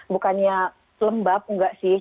bukannya lembab enggak sih